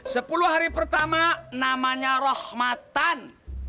sepuluh hari pertama namanya rahmatan